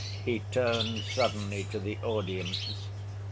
He turned suddenly to the audience.